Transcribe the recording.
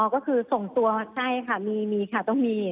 ก็คือส่งตัวมาใช่ค่ะมีค่ะต้องมี